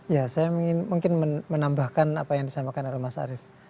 ya saya mungkin menambahkan apa yang disampaikan oleh mas arief